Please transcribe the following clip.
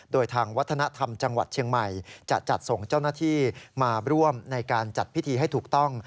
โดยทางวัฒนธรรมจังหวัดเชียงใหม่จะจัดส่งเจ้าหน้าที่มาร่วมในการจัดพิธีให้ถูกต้อง